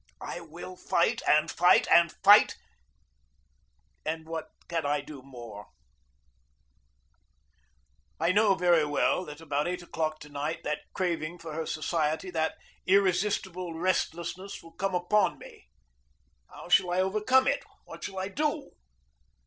I will fight and fight and fight and what can I do more? I know very well that about eight o'clock to night that craving for her society, that irresistible restlessness, will come upon me. How shall I overcome it? What shall I do?